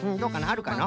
あるかな？